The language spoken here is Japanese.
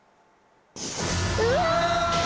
うわ！